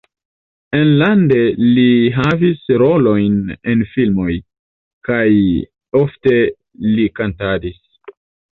Enlande li havis rolojn en filmoj, plej ofte li kantadis.